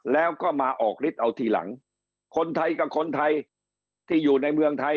แล้วก็มาออกฤทธิ์เอาทีหลังคนไทยกับคนไทยที่อยู่ในเมืองไทย